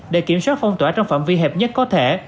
để kiểm soát phong tỏa trong phạm vi hẹp nhất có thể